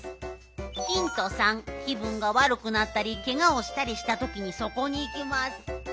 ひんと３きぶんがわるくなったりけがをしたりしたときにそこにいきます。